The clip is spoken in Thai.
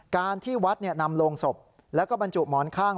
การที่วัดนำโรงศพแล้วก็บรรจุหมอนข้าง